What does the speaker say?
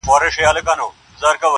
د سورلنډیو انګولا به پښتانه بېروي-